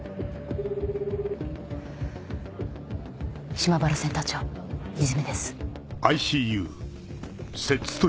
島原センター長和泉です。